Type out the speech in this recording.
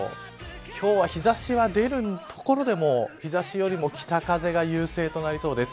今日は日差しが出る所でも日差しよりも北風が優勢となりそうです。